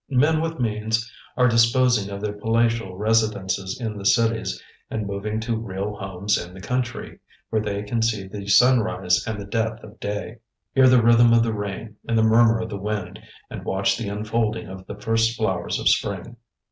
Men with means are disposing of their palatial residences in the cities and moving to real homes in the country, where they can see the sunrise and the death of day, hear the rhythm of the rain and the murmur of the wind, and watch the unfolding of the first flowers of spring.